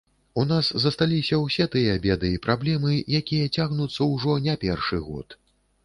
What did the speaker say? У нас засталіся ўсе тыя беды і праблемы, якія цягнуцца ўжо не першы год.